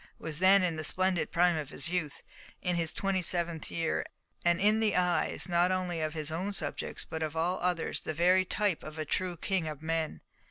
was then in the splendid prime of his youth, in his twenty seventh year, and in the eyes, not only of his own subjects, but of all others, the very type of a true king of men.